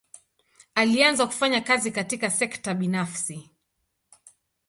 Alianza kufanya kazi katika sekta binafsi.